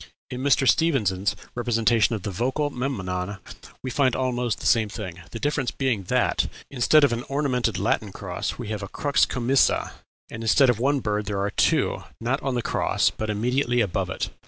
In Mr. Stephens's representation from the Vocal Memnon we find almost the same thing, the difference being that, instead of an ornamented Latin cross, we have a crux commissa, and instead of one bird there are two, not on the cross, but immediately above it.